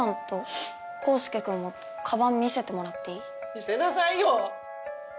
見せなさいよ！